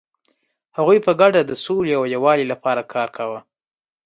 هغوی په ګډه د سولې او یووالي لپاره کار کاوه.